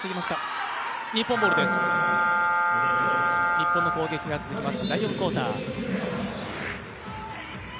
日本の攻撃が続きます、第４クオーター。